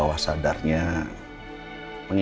mbak mbak pastinya ini